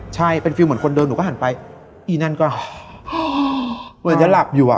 ใช่เป็นฟิลเหมือนคนเดิมหนูก็หันไปอีนั่นก็เหมือนจะหลับอยู่อ่ะ